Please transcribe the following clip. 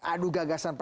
ya itu jelas bang